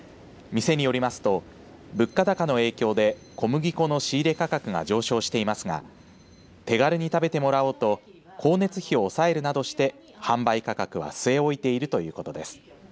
店によりますと物価高の影響で小麦粉の仕入れ価格が上昇していますが手軽に食べてもらおうと光熱費を抑えるなどして販売価格を据え置いているということです。